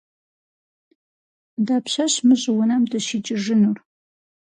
Дапщэщ мы щӀыунэм дыщикӀыжынур?